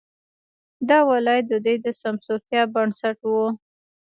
دا ولایت د دوی د سمسورتیا بنسټ وو.